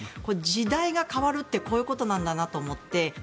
時代が変わるってこういうことなんだなと思って。